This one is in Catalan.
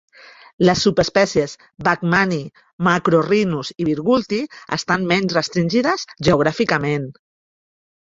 Les subespècies "bachmani", "macrorhinus" i "virgulti" estan menys restringides geogràficament.